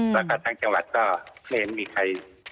แล้วก็ทางจังหวัดก็ไม่เห็นมีใคร